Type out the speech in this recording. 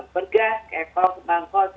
bergah kekol kebangkol